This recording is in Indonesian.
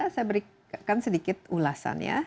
saya berikan sedikit ulasan ya